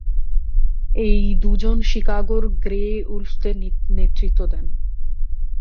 এই দুজন শিকাগোর গ্রে উলফদের নেতৃত্ব দেন।